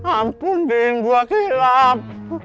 ampun udin gua kilap